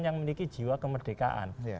yang memiliki jiwa kemerdekaan